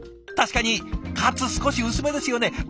確かにカツ少し薄めですよね。